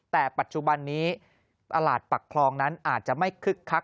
แต่ปัจจุบันนี้ตลาดปักคลองนั้นอาจจะไม่คึกคัก